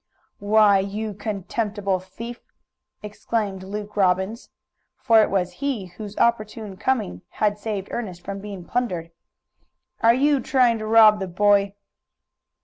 "Why, you contemptible thief!" exclaimed Luke Robbins for it was he whose opportune coming had saved Ernest from being plundered. "Are you trying to rob the boy?"